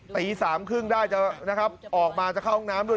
ตี๓๓๐ได้นะครับออกมาจะเข้าห้องน้ำด้วย